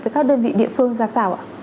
với các đơn vị địa phương ra sao ạ